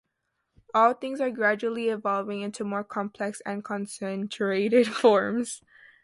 All things are gradually evolving into more complex and concentrated forms.